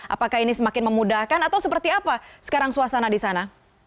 apakah ini semakin memudahkan atau seperti apa sekarang suasana di sana